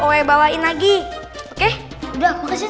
oe bawain lagi oke udah makasih